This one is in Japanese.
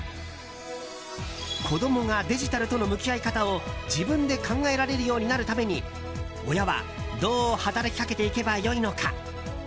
子供がデジタルとの向き合い方を自分で考えられるようになるために親はどう働きかけていけばよいのか？